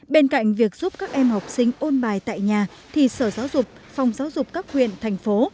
bên cạnh việc giúp các em học sinh ôn bài tại nhà thì sở giáo dục phòng giáo dục các huyện thành phố